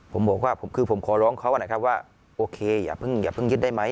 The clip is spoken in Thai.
ผมบอกว่าคือผมขอร้องเขานะครับว่าโอเคอย่าเพิ่งยึดได้ไหม